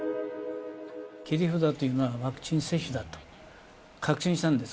切り札というのはワクチン接種だと確信したんです。